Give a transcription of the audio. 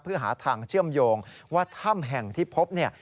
เพื่อหาทางเชื่อมโยงว่าถ้ำแห่งที่พบเนี่ย